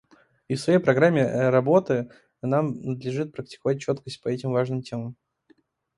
И в своей программе работы нам надлежит практиковать четкость по этим важным темам.